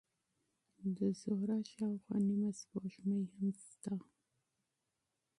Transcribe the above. د زهره شاوخوا نیمه سپوږمۍ هم شته.